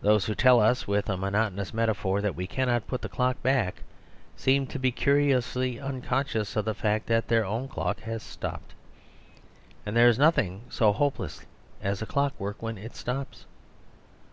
Those who tell us, with a monotonous metaphor, that we cannot put the clock back, seem to be curiously uncon scious of the fact that their own clock has 142 The Superstition of Divorce stopped. And there is nothing so hopeless as clockwork when it stops.